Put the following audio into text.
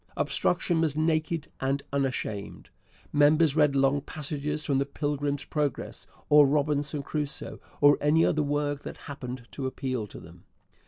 Obstruction was naked and unashamed. Members read long passages from The Pilgrim's Progress, or Robinson Crusoe, or any other work that happened to appeal to them.